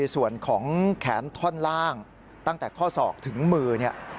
ส่วนของแขนท่อนล่างตั้งแต่ข้อศอกถึงมือเนี่ย